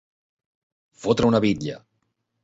Fotre una bitlla.